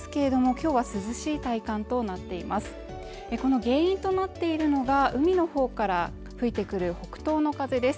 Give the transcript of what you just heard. この原因となっているのが海の方から吹いてくる北東の風です。